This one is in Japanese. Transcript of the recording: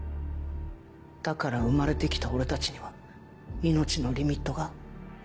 だから生まれて来た俺たちには命のリミットが？